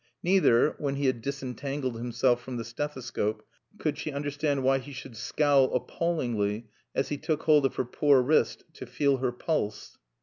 Neither (when he had disentangled himself from the stethescope) could she understand why he should scowl appallingly as he took hold of her poor wrist to feel her pulse.